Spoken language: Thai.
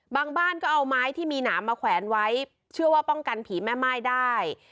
บ้านก็เอาไม้ที่มีหนามมาแขวนไว้เชื่อว่าป้องกันผีแม่ม่ายได้